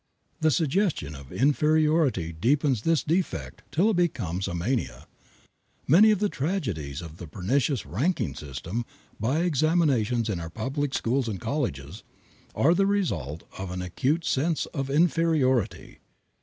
The suggestion of inferiority deepens this defect till it becomes a mania. Many of the tragedies of the pernicious "ranking system" by examinations in our public schools and colleges are the result of an acute sense of inferiority.